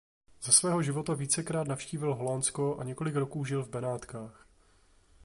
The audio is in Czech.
Za svého života vícekrát navštívil Holandsko a několik roků žil v Benátkách.